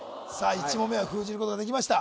１問目は封じることができました